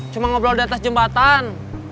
cuma ngobrol di atas jembatan